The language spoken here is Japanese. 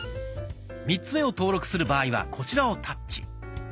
３つ目を登録する場合はこちらをタッチ。